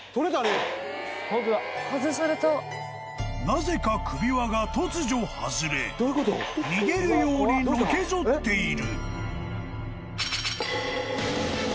［なぜか首輪が突如外れ逃げるようにのけ反っている］